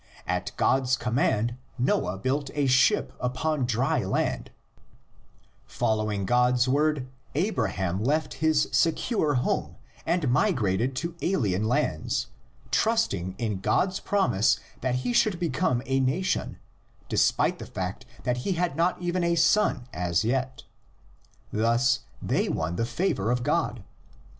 At God's command Noah built a ship upon dry land; following God's word Abraham left his secure home and migrated to alien lands, trusting in God's promise that he should become a nation despite the fact that he had not even a son as yet. Thus they won the favor of God.